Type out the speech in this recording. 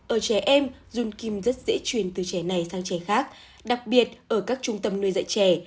ở trẻ em jun kim rất dễ truyền từ trẻ này sang trẻ khác đặc biệt ở các trung tâm nuôi dạy trẻ